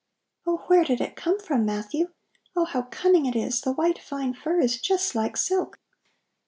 "Oh, where did it come from, Matthew? Oh, how cunning it is! The white fine fur is just like silk!